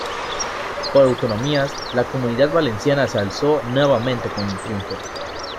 Por autonomías, la Comunidad Valenciana se alzó nuevamente con el triunfo.